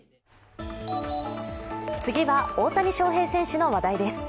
次は、大谷翔平選手の話題です。